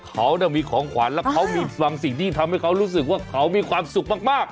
เขามีของขวัญแล้วเขามีบางสิ่งที่ทำให้เขารู้สึกว่าเขามีความสุขมาก